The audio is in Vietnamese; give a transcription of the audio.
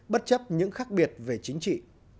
bất chấp những khác biệt về chính trị